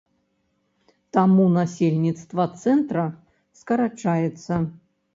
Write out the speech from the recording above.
Таму насельніцтва цэнтра скарачаецца.